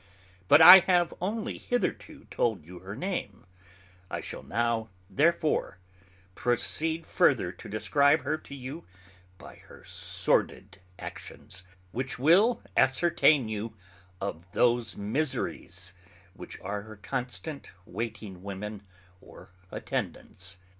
But I have onely hitherto told you her name; I shall now therefore proceed further to describe her to you by her sordid actions, which will ascertain you of those miseries which are her constant waiting women or attendants.